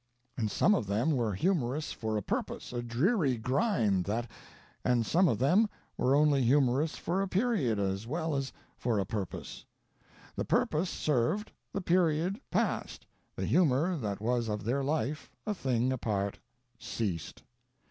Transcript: And some of them were humorists for a purpose, a dreary grind that, and some of them were only humorists for a period as well as for a purpose. The purpose served, the period passed, the humor that was of their life a thing apart ceased.